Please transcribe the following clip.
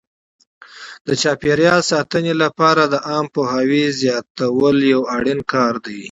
د چاپیریال ساتنې لپاره د عامه پوهاوي زیاتول یو اړین کار دی.